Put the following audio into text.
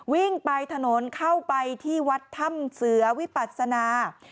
วิ่งไปถนนเข้าไปที่วัดถ้ำเสือวิปัศนา